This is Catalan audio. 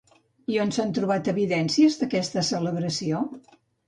I on s'han trobat evidències d'aquesta celebració?